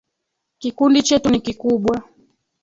Kikundi chetu ni kikubwa.